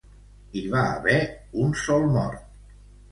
Hi va haver un sol mort.